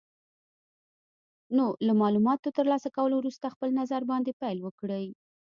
نو له مالوماتو تر لاسه کولو وروسته خپل نظر باندې پیل وکړئ.